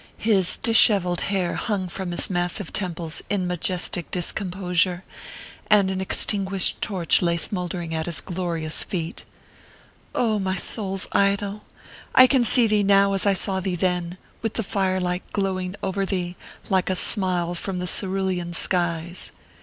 His dishevelled hair Imng from his massive temples in majestic discomposure, and an extinguished torch lay smouldering at his glorious feet. O my soul s idol ! I can see thee now as I saw thee then, with the firelight glowing over thee ; like a smile from the cerulean skies